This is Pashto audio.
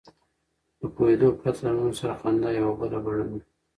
له پوهېدو پرته له نورو سره خندا یوه بله بڼه ده.